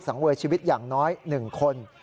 สังเวยชีวิตอย่างน้อย๑คน